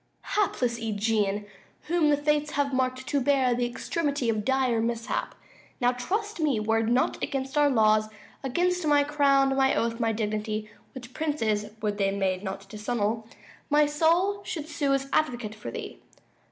_ Hapless Ægeon, whom the fates have mark'd To bear the extremity of dire mishap! Now, trust me, were it not against our laws, Against my crown, my oath, my dignity, Which princes, would they, may not disannul, 145 My soul should sue as advocate for thee.